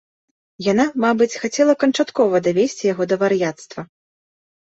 Яна, мабыць, хацела канчаткова давесці яго да вар'яцтва.